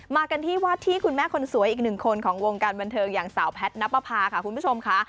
กันที่วาดที่คุณแม่คนสวยอีกหนึ่งคนของวงการบันเทิงอย่างสาวแพทย์นับประพาค่ะคุณผู้ชมค่ะ